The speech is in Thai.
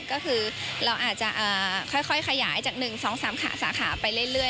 ก็คือเราอาจจะค่อยขยายจาก๑๒๓ขาสาขาไปเรื่อย